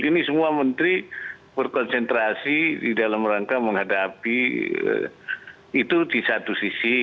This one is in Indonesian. ini semua menteri berkonsentrasi di dalam rangka menghadapi itu di satu sisi